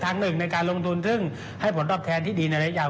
หนึ่งในการลงทุนซึ่งให้ผลตอบแทนที่ดีในระยะยาว